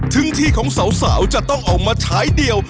ถึงที่ของสาวจะต้องเอามาฉายเดียว